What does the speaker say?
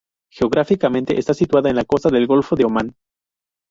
Geográficamente, está situada en la costa del Golfo de Omán.